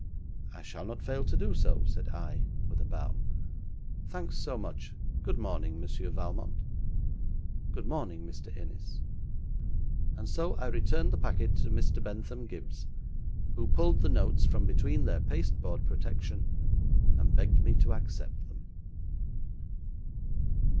'I shall not fail to do so,' said I, with a bow. 'Thanks so much. Good morning, Monsieur Valmont.' 'Good morning, Mr. Innis,' And so I returned the packet to Mr. Bentham Gibbes, who pulled the notes from between their pasteboard protection, and begged me to accept them.